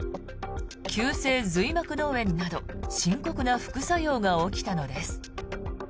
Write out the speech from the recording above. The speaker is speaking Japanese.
急性髄膜脳炎など深刻な副作用が起きたのです。